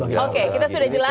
oke kita sudah jelas